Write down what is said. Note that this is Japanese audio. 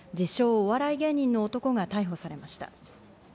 お笑い芸人の男が逮捕されました。